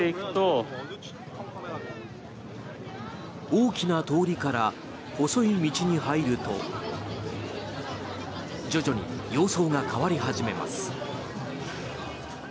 大きな通りから細い道に入ると徐々に様相が変わり始めます。